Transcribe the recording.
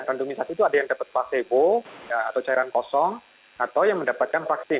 kandungisasi itu ada yang dapat placebo atau cairan kosong atau yang mendapatkan vaksin